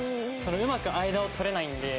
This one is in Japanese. うまく間を取れないんで。